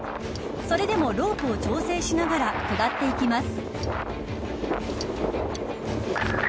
それでもロープを調整しながら下っていきます。